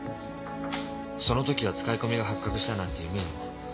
その時は使い込みが発覚したなんて夢にも。